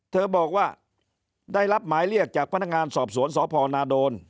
เธอบอกว่าได้รับหมายเรียกจากพนักงานสอบสวนสพนาโดน